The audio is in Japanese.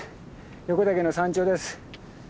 横岳の山頂です。